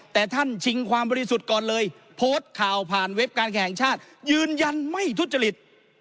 แต่ท่านชิงความบริสุทธิ์ก่อนเลยโพสต์ข่าวผ่านเว็บการแข่งชาติยืนยันไม่ทุจริต